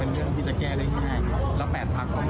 เป็นตัวเลขไม่ได้เลยครับว่าเราจะไม่ไปก้าวร่วมนะครับ